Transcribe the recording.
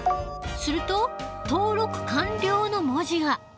すると「登録完了」の文字が。